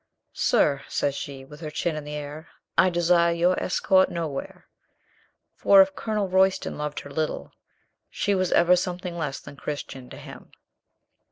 "Sir," says she, with her chin in the air, "I desire your escort nowhere." For if Colonel Royston loved her little, she was ever something less than Christian to him.